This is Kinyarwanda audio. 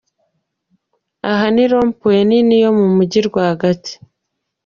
Aha ni Rond-point nini yo mu mujyi rwagati.